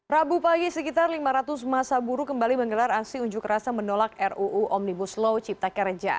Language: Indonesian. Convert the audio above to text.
rabu pagi sekitar lima ratus masa buruh kembali menggelar aksi unjuk rasa menolak ruu omnibus law cipta kerja